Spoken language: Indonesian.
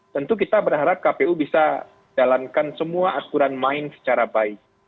tentu kita berharap kpu bisa jalankan semua aturan main secara baik